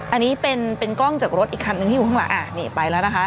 อันนี้เป็นกล้องจากรถอีกคันหนึ่งที่อยู่ข้างหลังอ่ะนี่ไปแล้วนะคะ